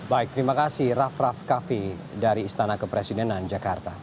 baik terima kasih raff raff kaffi dari istana kepresidenan jakarta